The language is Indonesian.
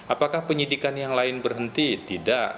apakah penyidikan yang lain berhenti tidak